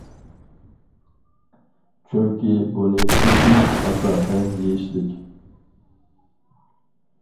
چۈنكى بۇنى ئېتىش ئاسان ھەم يېيىشلىك.